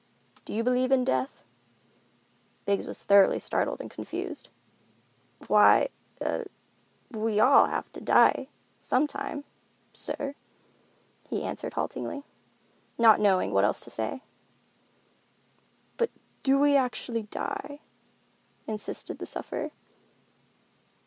"Do you believe in death?" Biggs was thoroughly startled and confused. "Why—a—we all have to die, sometime, sir," he answered haltingly, not knowing what else to say. "But do we actually die?" insisted the sufferer.